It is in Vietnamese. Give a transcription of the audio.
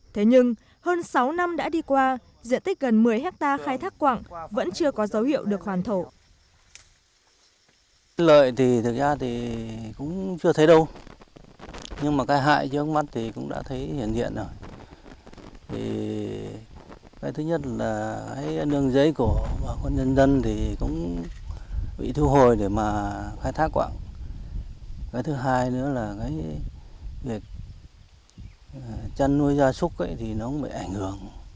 thế nhưng hơn sáu năm đã đi qua diện tích gần một mươi hectare khai thác khoáng vẫn chưa có dấu hiệu được hoàn thổ